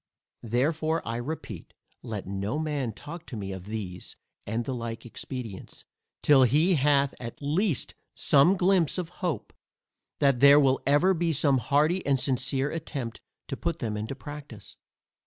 Therefore I repeat, let no man talk to me of these and the like expedients, till he hath at least some glympse of hope, that there will ever be some hearty and sincere attempt to put them into practice.